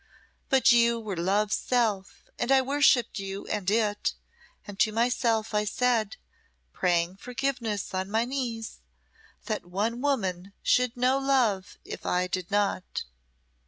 But you were love's self, and I worshipped you and it; and to myself I said praying forgiveness on my knees that one woman should know love if I did not.